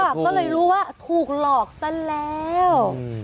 ก็เลยรู้ว่าถูกหลอกซะแล้ว